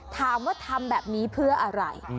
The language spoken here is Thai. ถามว่าทำแบบนี้เพื่ออะไร